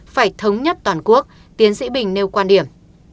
phải thống nhất toàn quốc tiến sĩ bình nêu quan điểm